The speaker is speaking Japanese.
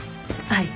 はい。